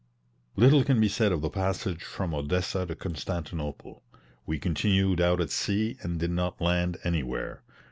Little can be said of the passage from Odessa to Constantinople; we continued out at sea and did not land anywhere.